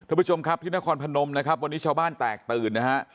ทุกผู้ชมครับที่นครพนมนะครับวันนี้ชาวบ้านแตกตื่นนะฮะ